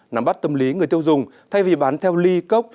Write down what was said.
nắm bắt tâm lý người tiêu dùng thay vì bán theo ly cốc